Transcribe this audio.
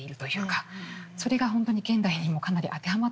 それが本当に現代にもかなり当てはまってしまうのではないかな。